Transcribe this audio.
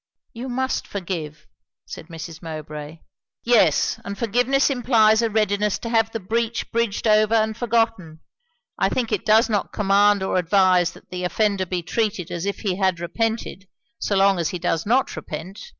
"You must forgive, " said Mrs. Mowbray. "Yes; and forgiveness implies a readiness to have the breach bridged over and forgotten. I think it does not command or advise that the offender be treated as if he had repented, so long as he does not repent."